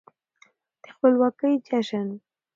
د خپلواکۍ جشن